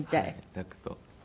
抱くと。